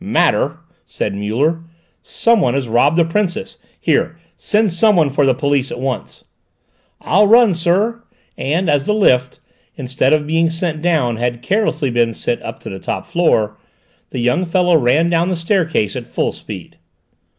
"Matter!" said Muller. "Somebody has robbed the Princess. Here, send someone for the police at once." "I'll run, sir," and as the lift, instead of being sent down, had carelessly been sent up to the top floor, the young fellow ran down the staircase at full speed.